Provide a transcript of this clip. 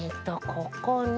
ここにと。